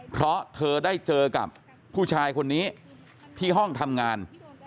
เพราะเธอได้เจอกับผู้ชายคนนี้ที่ห้องทำงาน